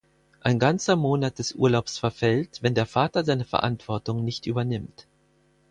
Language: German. Ein ganzer Monat des Urlaubs verfällt, wenn der Vater seine Verantwortung nicht übernimmt.